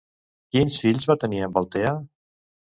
Quins fills va tenir amb Altea?